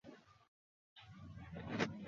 শুটু, নান্দুকে ধর।